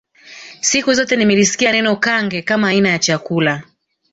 Siku zote nimelisikia neno Kange kama aina ya chakula